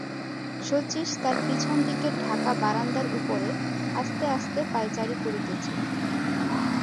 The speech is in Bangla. শচীশ তার পিছন দিকের ঢাকা বারান্দার উপরে আস্তে আস্তে পায়চারি করিতেছে।